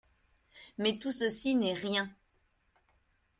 Mais tout ceci n'est rien.